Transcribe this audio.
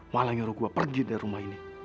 malah nyuruh gue pergi dari rumah ini